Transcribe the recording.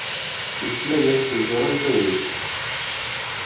ⵉⵜⵜⵏⴰⴷⵉ ⵖⴼ ⵉⵥⵓⵔⴰⵏ ⵏ ⵜⴰⴳⵓⵜ